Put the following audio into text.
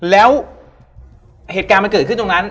แล้วเหตุการณ์มันเกิดขึ้นตรงนั้น